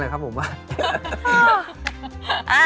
ห้ออออ่าเขาต่อไปค่ะ